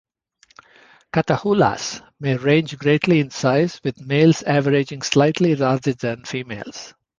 Catahoulas may range greatly in size with males averaging slightly larger than females.